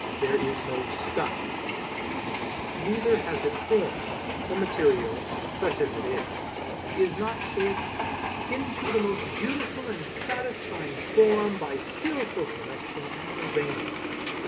There is no "stuff" here. Neither has it Form. The material—such as it is—is not shaped "into the most beautiful and satisfying form by skillful selection and arrangement."